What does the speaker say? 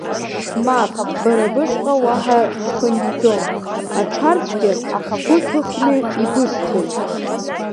Мап, бара бышҟа уаҳа схынҳәӡом, аҽарцәгьар, сгәы ҭыхны ибысҭоит!